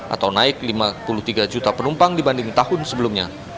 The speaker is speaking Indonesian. atau naik lima puluh tiga juta penumpang dibanding tahun sebelumnya